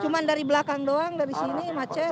cuma dari belakang doang dari sini macet